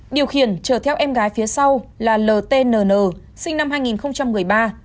điều khiển trở theo em gái phía sau là ltnn sinh năm hai nghìn một mươi ba